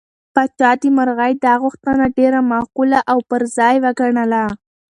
پاچا د مرغۍ دا غوښتنه ډېره معقوله او پر ځای وګڼله.